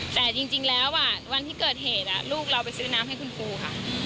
แต่จริงแล้ววันที่เกิดเหตุลูกเราไปซื้อน้ำให้คุณครูค่ะ